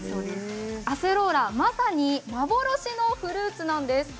アセローラ、まさに幻のフルーツなんです。